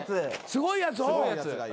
すごいやつ。